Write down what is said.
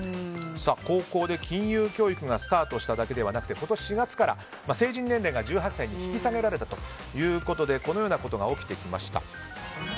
高校で金融教育がスタートしただけではなくて今年４月から成人年齢が１８歳に引き下げられたということでこのようなことが起きてきました。